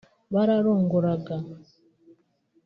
bararongoraga